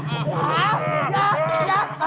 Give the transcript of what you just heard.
อย่าอย่า